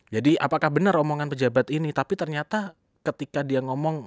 jadi apakah benar omongan pejabat ini tapi ternyata ketika dia ngomong